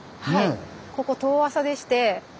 ここ遠浅でして。